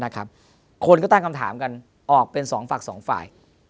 คนก็ตั้งคำถามกันออกเป็น๒ฝั่ง๒ฝ่าย